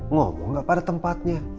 ngomong gak pada tempatnya